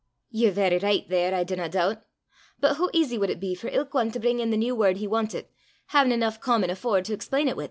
"Ye're verra richt there, I dinna doobt. But hoo easy wad it be for ilk ane to bring in the new word he wantit, haein' eneuch common afore to explain 't wi'!